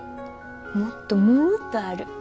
もっともっとある。